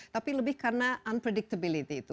tapi lebih karena unpredictability itu